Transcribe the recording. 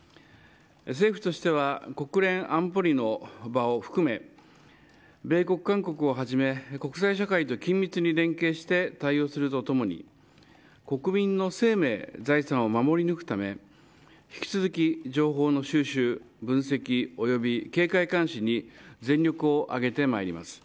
政府としては国連安保理の場を含め米国韓国をはじめ国際社会と緊密に連携して対応するとともに国民の生命、財産を守り抜くため引き続き情報の収集、分析及び警戒監視に全力を挙げてまいります。